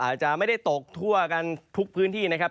อาจจะไม่ได้ตกทั่วกันทุกพื้นที่นะครับ